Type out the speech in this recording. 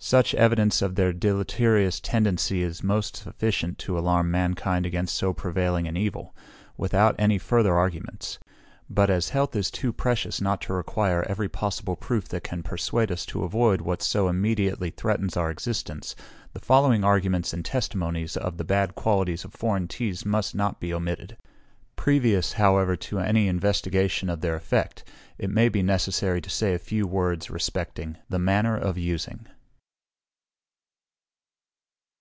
Such evidence of their deleterious tendency is almost sufficient to alarm mankind against so prevailing an evil, without any further arguments; but as health is too precious not to require every possible proof that can persuade us to avoid what so immediately threatens our existence, the following arguments and testimonies of the bad qualities of foreign teas must not be omitted. Previous, however, to an investigation of their effects, it may be necessary to say a few words respecting THE MANNER OF USING.